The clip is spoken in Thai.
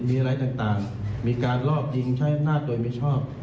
มีอะไรต่างมีการลอบยิงใช้อำนาจโดยไม่ชอบ